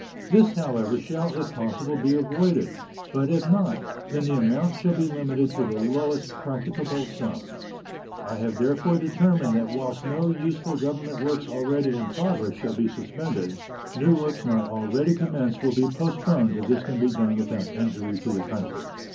This, however, shall if possible be avoided, but if not, then the amount shall be limited to the lowest practicable sum. I have therefore determined that whilst no useful Government works already in progress shall be suspended, new works not already commenced will be postponed if this can be done without injury to the country.